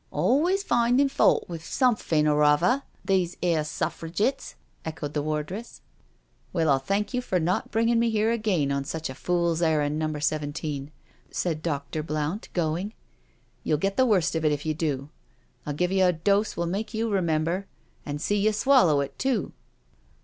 " Always findin' fault with somethin' or other, these 'ere Suffrigitts," echoed the wardress. " Well, I'll thank you not to bring me here again on such a fool's errand, Number Seventeen," said Dr. Blount, going. " You'll get the worst of it if you do— I'll give you a dose will make you remember— and see you swallow it too."